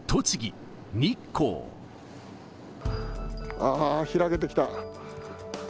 ああ、開けてきた。